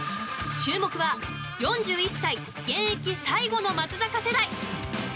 注目は４１歳現役最後の松坂世代。